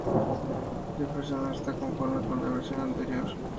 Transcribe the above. Jefferson no estaba conforme con la versión anterior.